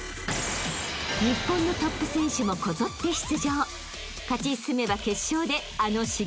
［日本のトップ選手もこぞって出場］